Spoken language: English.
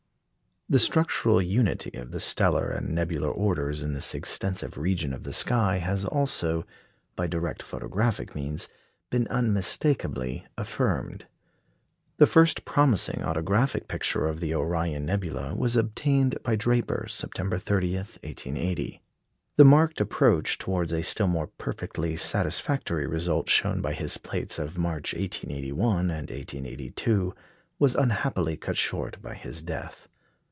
The structural unity of the stellar and nebular orders in this extensive region of the sky has also, by direct photographic means, been unmistakably affirmed. The first promising autographic picture of the Orion nebula was obtained by Draper, September 30, 1880. The marked approach towards a still more perfectly satisfactory result shown by his plates of March, 1881 and 1882, was unhappily cut short by his death.